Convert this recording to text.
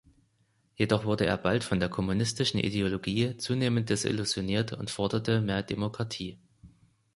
Jedoch wurde er bald von der kommunistischen Ideologie zunehmend desillusioniert und forderte mehr Demokratie.